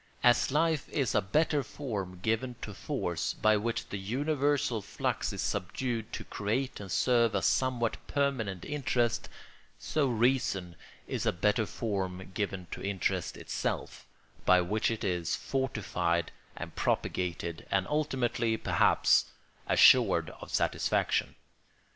As life is a better form given to force, by which the universal flux is subdued to create and serve a somewhat permanent interest, so reason is a better form given to interest itself, by which it is fortified and propagated, and ultimately, perhaps, assured of satisfaction.